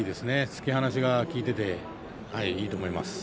突き放しが効いていていいと思います。